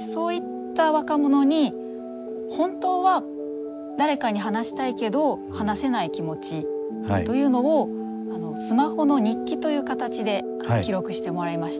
そういった若者に「本当は誰かに話したいけど話せない気持ち」というのをスマホの日記という形で記録してもらいました。